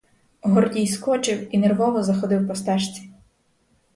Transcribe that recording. Гордій скочив і нервово заходив по стежці.